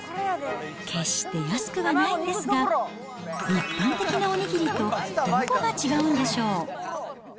決して安くはないんですが、一般的なお握りとどこが違うんでしょう。